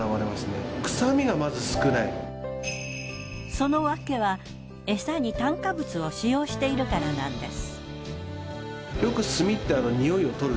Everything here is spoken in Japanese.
そのわけは餌に炭化物を使用しているからなんです。